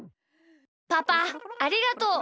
パパありがとう！